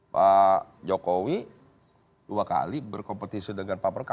pak jokowi dua kali berkompetisi dengan pak prabowo